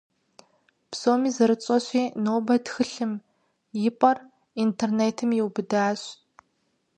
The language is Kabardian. Псоми зэрытщӀэщи, нобэ тхылъым и пӀэр интернетым иубыдащ.